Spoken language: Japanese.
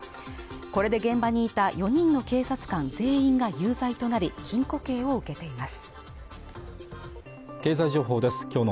これで現場にいた４人の警察官全員が有罪となり禁錮刑を受けています